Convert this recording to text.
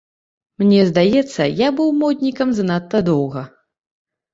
Мне здаецца, я быў моднікам занадта доўга.